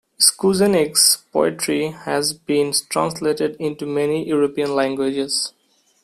Skujenieks' poetry has been translated into many European languages.